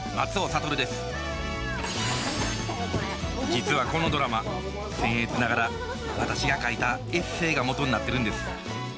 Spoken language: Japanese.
実はこのドラマせん越ながら私が書いたエッセイが元になってるんです。